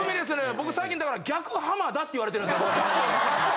僕最近だから。って言われてるんですよ。